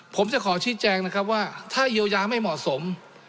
ผมจะขอชี้แจงนะครับว่าถ้าเยียวยาไม่เหมาะสม